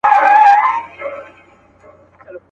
څوك به بولي له اټكه تر مالانه.